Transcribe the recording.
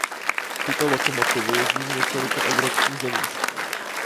Tyto lokomotivy jezdí v několika evropských zemích.